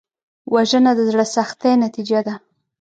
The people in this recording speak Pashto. وژنه د زړه سختۍ نتیجه ده